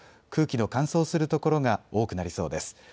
空気の乾燥する所が多くなりそうです。